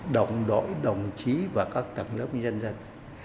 đồng đội đồng chí và các tầng lớp nhân dân